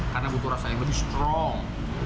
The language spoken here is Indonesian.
karena butuh rasanya lebih strong